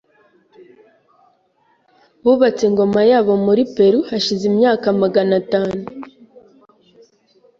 Bubatse ingoma yabo muri Peru hashize imyaka magana atanu .